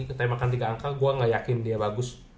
ketika makan tiga angka gua gak yakin dia bagus